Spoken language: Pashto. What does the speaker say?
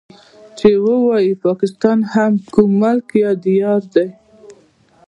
چې ووايي پاکستان هم کوم ملک يا ديار دی.